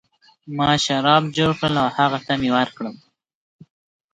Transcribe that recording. ما شراب جوړ کړل او هغه ته مې ورکړل.